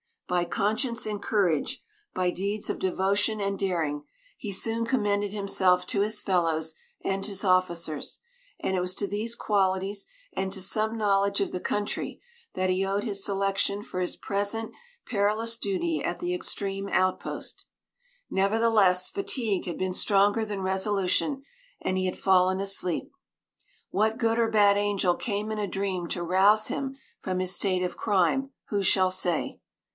By conscience and courage, by deeds of devotion and daring, he soon commended himself to his fellows and his officers; and it was to these qualities and to some knowledge of the country that he owed his selection for his present perilous duty at the extreme outpost. Nevertheless, fatigue had been stronger than resolution, and he had fallen asleep. What good or bad angel came in a dream to rouse him from his state of crime, who shall say?